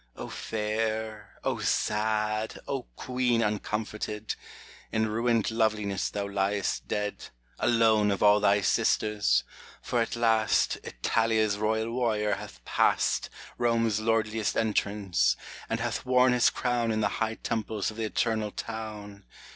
O fair ! O sad ! O Queen uncomforted ! In ruined loveliness thou liest dead, Alone of all thy sisters ; for at last Italia's royal warrior hath passed Rome's lordliest entrance! and hath worn his crown In the high temples of the Eternal Town